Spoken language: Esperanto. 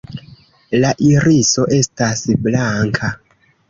La iriso estas blanka.